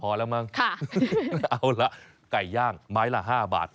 พอแล้วมั้งค่ะเอาละไก่ย่างไม้ละห้าบาท